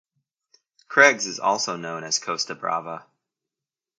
Creggs is also known as Costa Brava.